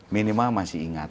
minimal masih ingat